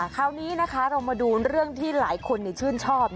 คราวนี้นะคะเรามาดูเรื่องที่หลายคนชื่นชอบ